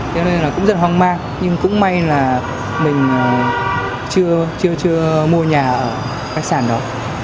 thế nên là cũng rất hoang mang nhưng cũng may là mình chưa mua nhà ở khách sạn đó